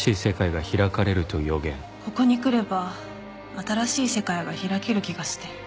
ここに来れば新しい世界が開ける気がして。